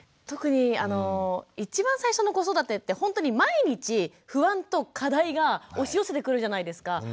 特に一番最初の子育てってほんとに毎日不安と課題が押し寄せてくるじゃないですか。